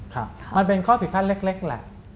ค่ะมันเป็นข้อผิดแพร่เล็กแหละ